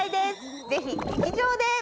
ぜひ劇場で！